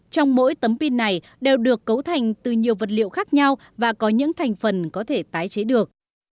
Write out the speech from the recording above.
trong mỗi tấm pin này đều được cấu thành từ nhiều vật liệu khác nhau và có những thành phần có thể tái chế được